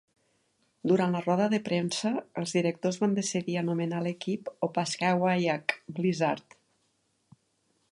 Durant la roda de premsa, els directors van decidir anomenar l'equip Opaskwayak Blizzard.